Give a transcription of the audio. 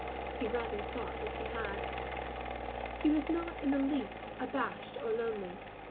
He rather thought he had. He was not in the least abashed or lonely.